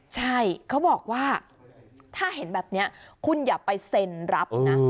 ใช่เขาบอกว่าถ้าเห็นแบบนี้คุณอย่าไปเซ็นรับนะ